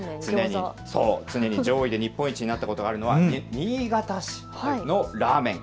常に上位で日本一になったことがあるのは新潟市のラーメン。